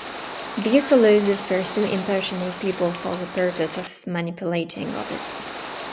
This allows the First to impersonate people for the purpose of manipulating others.